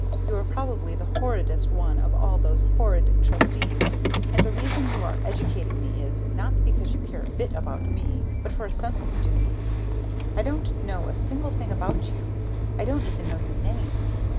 You are probably the horridest one of all those horrid Trustees, and the reason you are educating me is, not because you care a bit about me, but from a sense of Duty. I don't know a single thing about you. I don't even know your name.